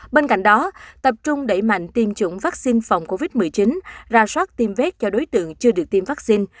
bên cạnh đó tập trung đẩy mạnh tiêm chủng vaccine phòng covid một mươi chín ra soát tiêm vét cho đối tượng chưa được tiêm vaccine